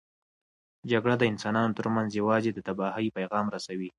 جګړه د انسانانو ترمنځ یوازې د تباهۍ پیغام رسوي.